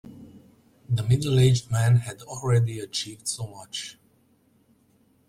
The middle-aged man had already achieved so much.